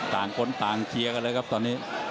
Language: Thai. ต่างคนต่างเชียร์กันเลยครับตอนนี้